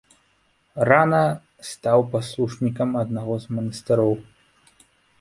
Рана стаў паслушнікам аднаго з манастыроў.